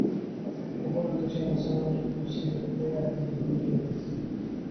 উপরন্তু সে মুসলমানদের খুশী করতে এক নতুন ফন্দিও এটেছে।